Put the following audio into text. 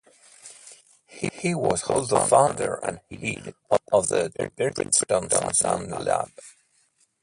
He was also founder and head of the Princeton Sound Lab.